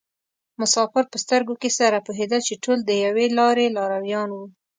مسافر په سترګو کې سره پوهېدل چې ټول د یوې لارې لارویان وو.